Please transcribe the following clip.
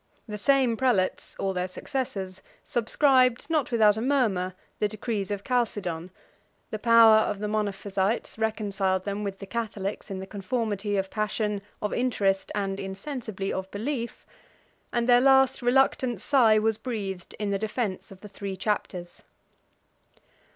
The same prelates, or their successors, subscribed, not without a murmur, the decrees of Chalcedon; the power of the Monophysites reconciled them with the Catholics in the conformity of passion, of interest, and, insensibly, of belief; and their last reluctant sigh was breathed in the defence of the three chapters.